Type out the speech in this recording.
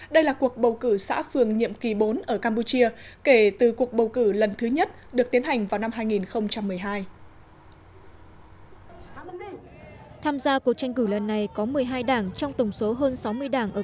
đây là cuộc bầu cử xã phường nhiệm kỳ mới